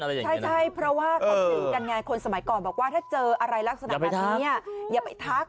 ใช่เพราะว่าสมัยก่อนคนถึงเจออะไรก็อย่าไปทัก